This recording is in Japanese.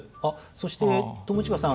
そして友近さん